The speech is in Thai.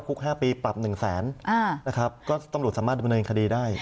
๕ปีปรับ๑แสนนะครับก็ตำรวจสามารถดำเนินคดีได้